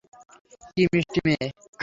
কি মিষ্টি মেয়ে।